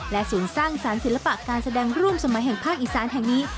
ศูนย์สร้างสารศิลปะการแสดงร่วมสมัยแห่งภาคอีสานแห่งนี้